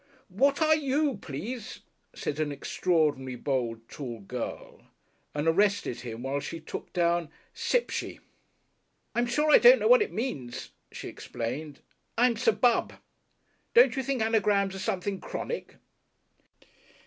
"What are you, please?" said an extraordinarily bold, tall girl, and arrested him while she took down "Cypshi." "I'm sure I don't know what it means," she explained. "I'm Sir Bubh. Don't you think anagrams are something chronic?"